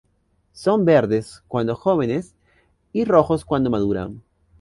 Son verdes cuando jóvenes y rojos cuando maduran.